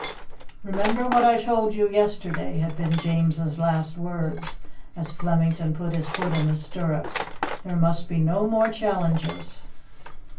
"Remember what I told you yesterday," had been James's last words as Flemington put his foot in the stirrup. "There must be no more challenges."